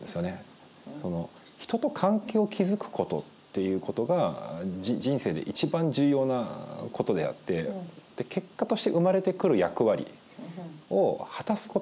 人と関係を築くことっていうことが人生で一番重要なことであって結果として生まれてくる役割を果たすことが人生なのであると。